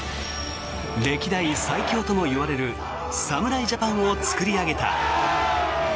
歴代最強ともいわれる侍ジャパンを作り上げた。